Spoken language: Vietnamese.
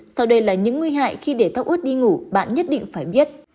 sau đây là những nguy hại khi để tóc ướt đi ngủ bạn nhất định phải biết